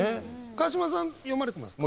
川島さん読まれてますか？